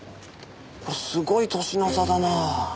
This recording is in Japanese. すごい歳の差だな。